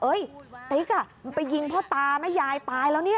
เฮ่ยติ๊กไปยิงพ่อตาแม่ยายตายแล้วนี่